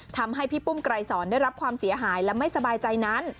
ทำให้พี่ปุ้มไกรสอนได้รับความเสียหายและไม่สบายใจนั้น